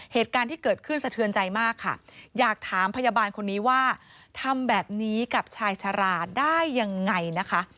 เหตุการณ์ที่เกิดขึ้นสะเทือนใจมาก